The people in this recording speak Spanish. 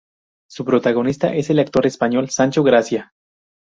Su protagonista es el actor español Sancho Gracia.